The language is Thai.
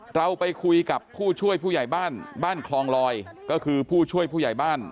เราไปคุยกับผู้ช่วยผู้ใหญ่บ้านบ้านคลองลอยก็คือผู้ช่วยผู้ใหญ่บ้าน